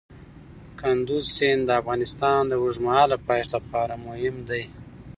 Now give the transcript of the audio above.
کندز سیند د افغانستان د اوږدمهاله پایښت لپاره مهم دی.